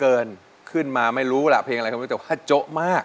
นิ้วคะเป็นไงคะต้องไปสายหัวแล้วดูท้อเหลือเกินลูก